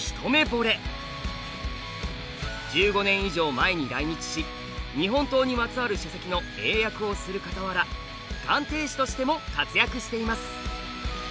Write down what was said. １５年以上前に来日し日本刀にまつわる書籍の英訳をするかたわら鑑定士としても活躍しています。